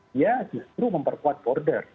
dia justru memperkuat border